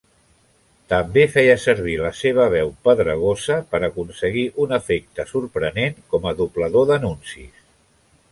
També feia servir la seva veu pedregosa per aconseguir un efecte sorprenent com a doblador d'anuncis.